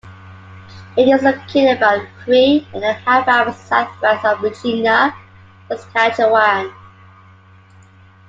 It is located about three and a half hours southwest of Regina, Saskatchewan.